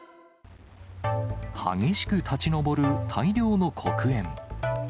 激しく立ち上る大量の黒煙。